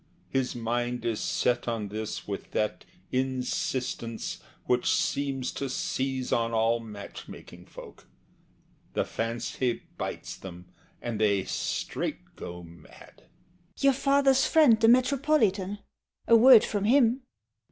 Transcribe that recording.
His mind is set on this with that insistence Which seems to seize on all match making folk. The fancy bites them, and they straight go mad. SHE. Your father's friend, the Metropolitan A word from him